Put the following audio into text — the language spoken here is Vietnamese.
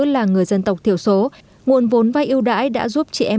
là người dân tộc thiểu số nguồn vốn vai ưu đãi đã giúp chị em